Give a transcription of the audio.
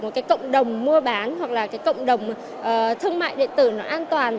một cộng đồng mua bán hoặc là cộng đồng thương mại điện tử an toàn